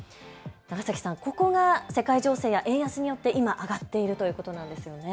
長崎さん、ここが世界情勢や円安によって今、上がっているということなんですよね。